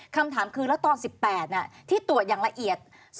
คำถามคือแล้วตอน๑๘ที่ตรวจอย่างละเอียด